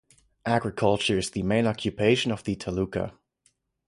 Agriculture is the main occupation of the Taluka.